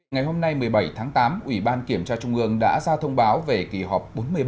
ngày hôm nay một mươi bảy tháng tám ủy ban kiểm tra trung ương đã ra thông báo về kỳ họp bốn mươi bảy